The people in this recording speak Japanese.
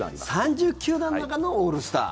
３０球団の中のオールスター。